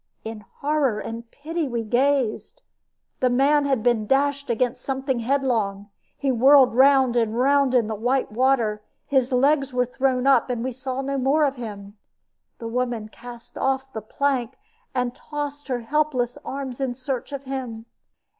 In horror and pity we gazed. The man had been dashed against something headlong. He whirled round and round in white water, his legs were thrown up, and we saw no more of him. The woman cast off the plank, and tossed her helpless arms in search of him.